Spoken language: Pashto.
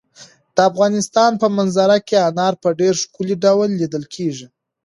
د افغانستان په منظره کې انار په ډېر ښکاره ډول لیدل کېږي.